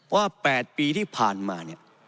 ว่า๘ปีที่ผ่านมา